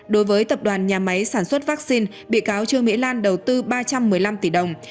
đối với tập đoàn nhà máy sản xuất vaccine bị cáo trương mỹ lan đầu tư ba trăm một mươi năm tỷ đồng